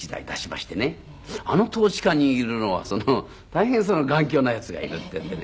あのトーチカにいるのは大変頑強なヤツがいるっていうんでね